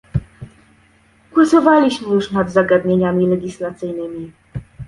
Głosowaliśmy już nad zagadnieniami legislacyjnymi